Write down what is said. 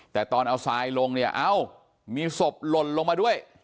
แต่ตอนเอาทรายลงเนี่ยเอ้ามีศพหล่นลงมาด้วย